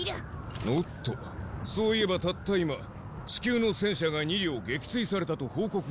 おっとそういえばたった今チキュウの戦車が２両撃墜されたと報告が入ったが。